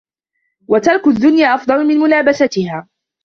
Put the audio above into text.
وَتَرْكُ الدُّنْيَا أَفْضَلُ مِنْ مُلَابَسَتِهَا